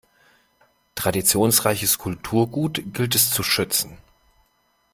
Traditionsreiches Kulturgut gilt es zu schützen.